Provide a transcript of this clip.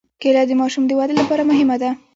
کېله د ماشوم د ودې لپاره مهمه ده.